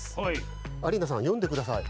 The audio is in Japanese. アリーナさんよんでください。